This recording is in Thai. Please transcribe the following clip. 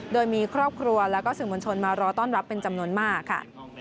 โดยมีครอบครัวแล้วก็สื่อมวลชนมารอต้อนรับเป็นจำนวนมากค่ะ